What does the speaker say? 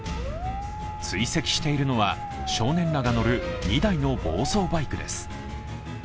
追跡しているのは、少年らが乗る２台の暴走バイクです。